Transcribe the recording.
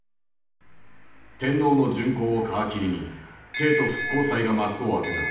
天皇の巡幸を皮切りに帝都復興祭が幕を開けた。